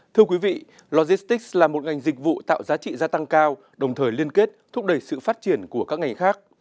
thưa quý vị logistics là một ngành dịch vụ tạo giá trị gia tăng cao đồng thời liên kết thúc đẩy sự phát triển của các ngành khác